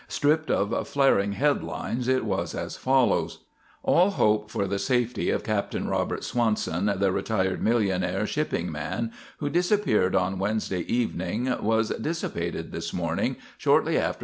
Stripped of flaring headlines, it was as follows: "All hope for the safety of Captain Robert Swanson, the retired millionaire shipping man who disappeared on Wednesday evening, was dissipated this morning, shortly after 9.